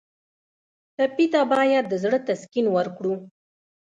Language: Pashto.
ټپي ته باید د زړه تسکین ورکړو.